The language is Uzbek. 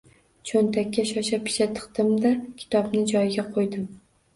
Cho’ntakka shosha-pisha tiqdim-da, kitobni joyiga qo’ydim.